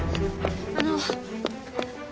あの。